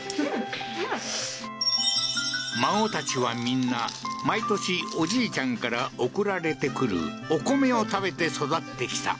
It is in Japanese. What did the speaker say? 孫たちはみんな、毎年おじいちゃんから送られてくるお米を食べて育ってきた。